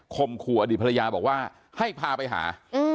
มขู่อดีตภรรยาบอกว่าให้พาไปหา